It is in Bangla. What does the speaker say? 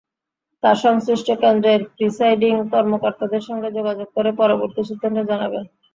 তাঁরা সংশ্লিষ্ট কেন্দ্রের প্রিসাইডিং কর্মকর্তাদের সঙ্গে যোগাযোগ করে পরবর্তী সিদ্ধান্ত জানাবেন।